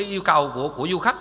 yêu cầu của du khách